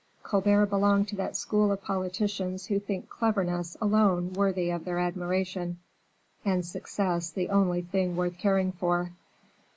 Colbert belonged to that school of politicians who think cleverness alone worthy of their admiration, and success the only thing worth caring for.